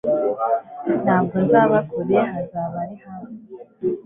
Ntabwo nzaba kure hazaba ari hafi